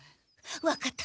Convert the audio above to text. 分かった。